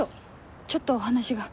ちょっとお話が。